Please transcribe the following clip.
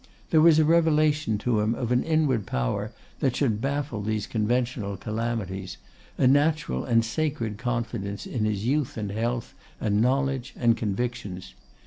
There was a revelation to him of an inward power that should baffle these conventional calamities, a natural and sacred confidence in his youth and health, and knowledge and convictions.